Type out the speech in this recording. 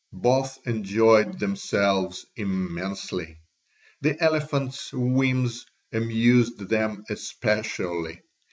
Both enjoyed themselves immensely; the elephant's "whims" amused them especially.